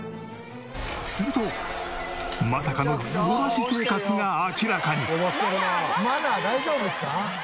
するとまさかのズボラ私生活が明らかに！